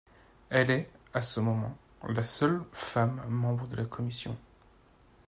Elle est, à ce moment, la seule femme membre de la commission.